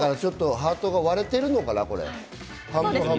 ハートが割れているのかな？